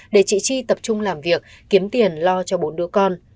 để chị chi tập trung làm việc kiếm tiền lo cho bốn đứa con